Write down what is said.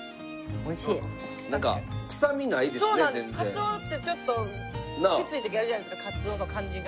カツオってちょっときつい時あるじゃないですかカツオの感じが。